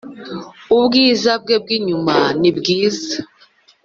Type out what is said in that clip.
ubwiza bwe bwinyuma nibwiza